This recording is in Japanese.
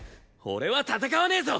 俺は戦わねえぞ！